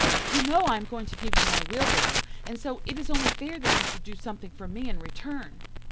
You know I am going to give you my wheelbarrow, and so, it is only fair that you should do something for me in return.